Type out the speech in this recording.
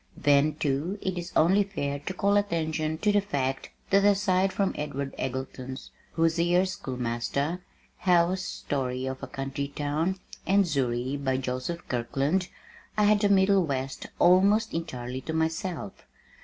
Then too, it is only fair to call attention to the fact that aside from Edward Eggleston's Hoosier Schoolmaster, Howe's Story of a Country Town, and Zury, by Joseph Kirkland, I had the middle west almost entirely to myself.